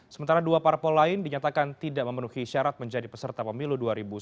sementara dua parpol lain dinyatakan tidak memenuhi syarat menjadi peserta pemilu dua ribu sembilan belas